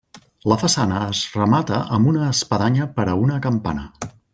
La façana es remata amb una espadanya per a una campana.